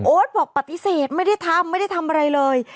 บอกปฏิเสธไม่ได้ทำไม่ได้ทำอะไรเลย